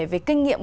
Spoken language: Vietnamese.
về kinh nghiệm